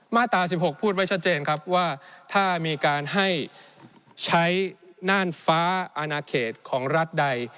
มาตรา๑๖พูดไว้ชัดเจนครับว่าถ้ามีการให้ใช้น่านฟ้าอนาเขตของรัฐใด